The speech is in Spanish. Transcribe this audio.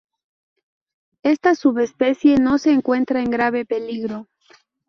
Esta subespecie no se encuentra en grave peligro.